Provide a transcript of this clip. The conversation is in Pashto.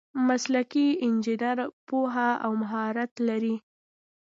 مسلکي انجینر پوهه او مهارت لري.